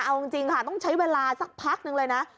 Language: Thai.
เอาจริงค่ะต้องใช้เวลาสักพักนึงเลยนะ